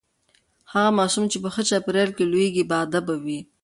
هغه ماشوم چې په ښه چاپیریال کې لوییږي باادبه وي.